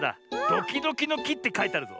「ドキドキのき」ってかいてあるぞ。